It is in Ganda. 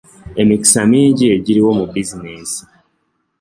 Emikisa mingi egiriwo mu bizinensi.